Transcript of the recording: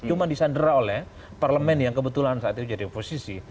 cuma disandera oleh parlemen yang kebetulan saat itu jadi oposisi